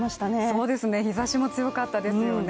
そうですね、日ざしも強かったですよね。